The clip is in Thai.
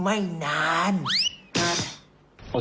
เพราะว่าร่างมันเขย่าหาผู้ชายอยู่ทุกวัน